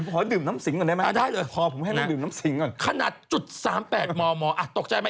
กดให้อย่างไรอยู่เพราะดื่มน้ำสิงค่ะได้